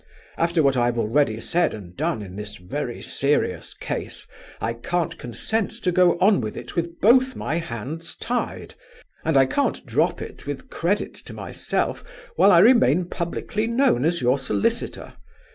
After what I have already said and done in this very serious case, I can't consent to go on with it with both my hands tied, and I can't drop it with credit to myself while I remain publicly known as your solicitor.